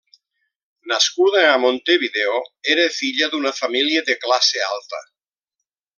Nascuda a Montevideo, era filla d'una família de classe alta.